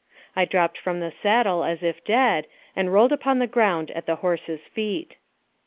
I dropped from the saddle as if dead, and rolled upon the ground at the horse's feet.